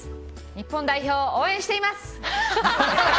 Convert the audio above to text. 日本代表、応援しています！